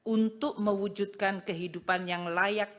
untuk mewujudkan kehidupan yang layak